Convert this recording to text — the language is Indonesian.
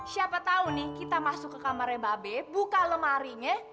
siapa tahu nih kita masuk ke kamarnya babe buka lemarinya